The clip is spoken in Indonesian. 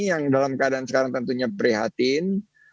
yang dalam keadaan sekarang tentunya prihatin